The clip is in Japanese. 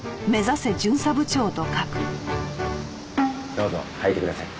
どうぞ履いてください。